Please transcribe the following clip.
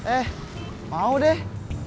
eh mau deh